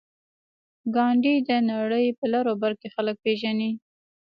ګاندي د نړۍ په لر او بر کې خلک پېژني.